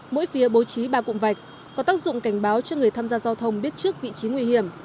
mỗi phía bố trí ba cụm vạch có tác dụng cảnh báo cho người tham gia giao thông biết trước vị trí nguy hiểm